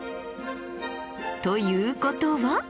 ということは。